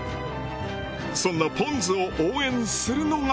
そんなポンズを応援するのが。